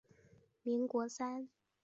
民国三十一年病逝。